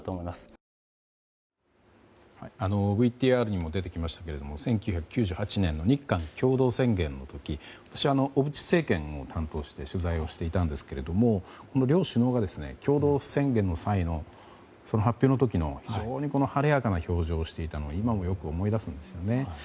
ＶＴＲにも出てきましたけども１９９８年の日韓共同宣言の時私、小渕政権を担当して取材をしていたんですが両首脳が共同宣言の際の発表の時非常に晴れやかな表情をしていたのを今もよく思い出すんです。